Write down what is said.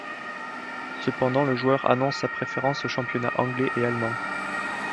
Cependant le joueur annonce sa préférence aux championnats anglais et allemand.